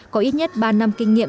có ít nhất ba năm kinh nghiệm